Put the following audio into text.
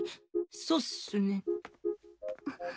そっすね。